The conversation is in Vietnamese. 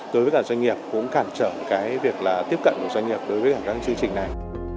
đối với cả doanh nghiệp cũng cản trở việc tiếp cận doanh nghiệp đối với các chương trình này